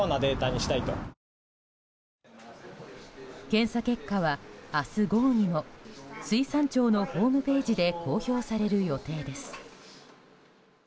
検査結果は明日午後にも水産庁のホームページで公表される予定です。